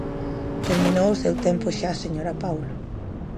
Terminou o seu tempo xa, señora Paulo.